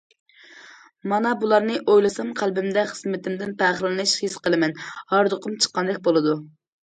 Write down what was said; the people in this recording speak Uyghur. مانا بۇلارنى ئويلىسام قەلبىمدە خىزمىتىمدىن پەخىرلىنىش ھېس قىلىمەن، ھاردۇقۇم چىققاندەك بولىدۇ.